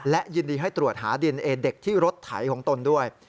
และยินดีให้ตรวจหาดินเอเด็กที่รถไถของตนด้วย